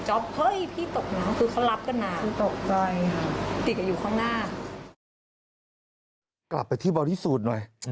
เฮ้ยพี่ตกไม๊งั้งคือเขารับกันนะตกได้ดตกอยู่ข้างหน้า